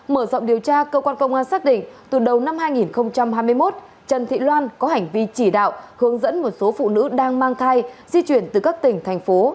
mở rộng điều tra cơ quan công an xác định từ đầu năm hai nghìn hai mươi một trần thị loan có hành vi chỉ đạo hướng dẫn một số phụ nữ đang mang thai di chuyển từ các tỉnh thành phố